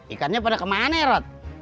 ikannya pada kemana erot